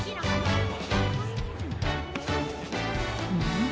ん？